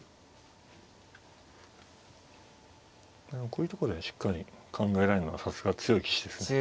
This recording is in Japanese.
こういうとこでしっかり考えられるのがさすが強い棋士ですね。